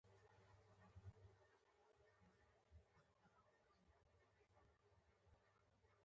خو سالیزبوري پر خپله خبره ټینګ ولاړ وو.